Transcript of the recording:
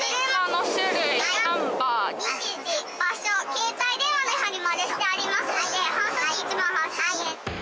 携帯電話の違反にマルしてありますので反則金１万８０００円。